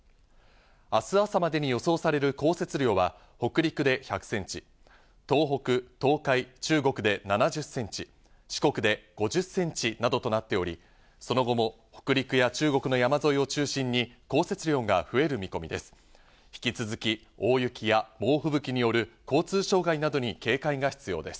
明日朝までに予想される降雪量は北陸で１００センチ、東北、東海、中国で７０センチ、四国で５０センチなどとなっており、その後も北陸や中国の山沿いを中心に降雪量が増える見込みです。